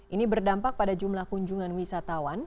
ini berdampak pada jumlah kunjungan wisatawan